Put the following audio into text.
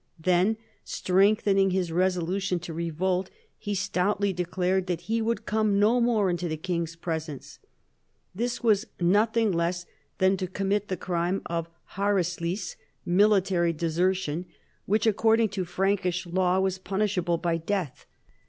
Then, strength, ening his resolution to revolt, he stoutly declared that he would come no more into the king's pres ence." This was nothing less than to commit the crime of harisUz (military desertion), which, accord ing to Prankish law, was punishable by death.